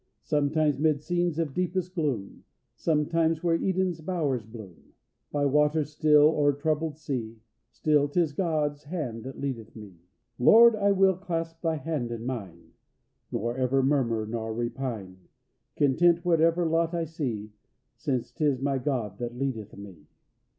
"Sometimes 'mid scenes of deepest gloom, Sometimes where Eden's bowers bloom, By waters still, o'er troubled sea, Still 'tis God's hand that leadeth me. "Lord, I will clasp Thy hand in mine, Nor ever murmur nor repine, Content, whatever lot I see, Since 'tis my God that leadeth me.